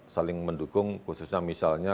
saling mendukung khususnya misalnya